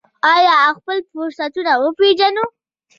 آیا او خپل فرصتونه وپیژنو؟